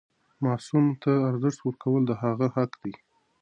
ماسوم ته ارزښت ورکول د هغه حق دی.